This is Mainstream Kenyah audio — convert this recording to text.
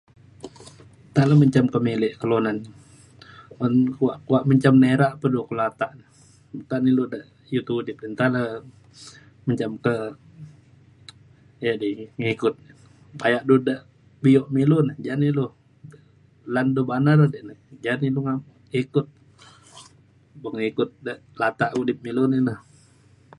nta le menjam ke milek kelunan un kuak kuak menjam nerak pedu ke latak. nta ilu de iut udip nta le menjam ke edai ngikut bayak du de bio me ilu ne ja na ilu lan du bana di re ja ne ilu ikut beng ikut de latak udip me ilu nina